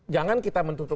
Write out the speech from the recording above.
jangan kita menutup mata dan